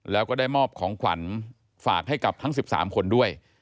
แล้วก็ได้มอบของขวัญฝากให้กับทั้ง๑๓คนด้วย